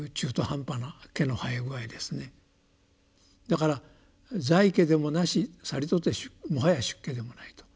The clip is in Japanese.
だから在家でもなしさりとてもはや出家でもないと。